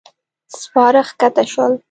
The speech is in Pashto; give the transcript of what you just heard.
سپاره کښته شول.